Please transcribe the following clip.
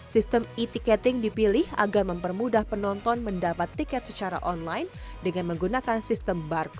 sistem e ticket dipilih agar mempermudah penonton mendapat tiket secara online dengan menggunakan sistem barcode